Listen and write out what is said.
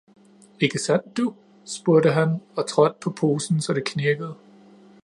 Ikke sandt du? spurgte han og trådte på posen, så det knirkede.